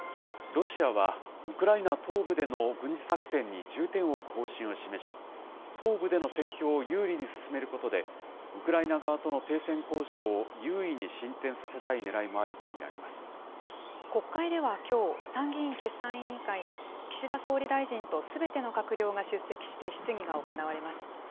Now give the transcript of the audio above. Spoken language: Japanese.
ロシアは、ウクライナ東部での軍事作戦に重点を置く方針を示し、東部での戦況を有利に進めることで、ウクライナ側との停戦交渉を優位に進展させたいねらいがあると見国会ではきょう、参議院決算委員会で、岸田総理大臣とすべての閣僚が出席して質疑が行われます。